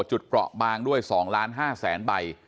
จุดเกาะบางด้วย๒๕๐๐๐๐๐ใบ